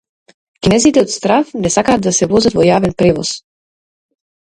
Кинезите од страв не сакаат да се возат во јавен превоз